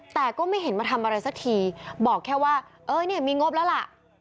แต่ก็ไม่เห็นมาทำอะไรสักทีบอกแค่ว่าเอ้ยเนี่ยมีงบแล้วล่ะ